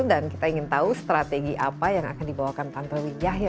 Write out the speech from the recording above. dan kita ingin tahu strategi apa yang akan dibawakan tantra wijaya